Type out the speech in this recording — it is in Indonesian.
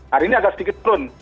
hari ini agak sedikit turun